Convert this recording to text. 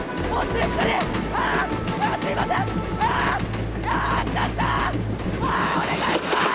あーお願いします！